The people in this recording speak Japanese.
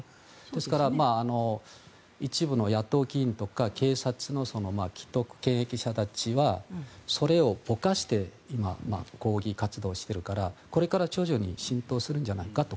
ですから、一部の野党議員とか警察の既得権益者たちはそれをぼかして、今抗議活動をしているからこれから徐々に浸透するんじゃないかと。